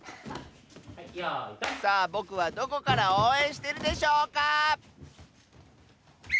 さあぼくはどこからおうえんしてるでしょうか？